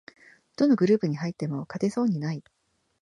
どのグループに入っても勝てそうにない